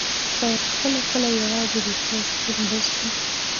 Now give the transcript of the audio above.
کله کله یوازې د چا شتون بس وي.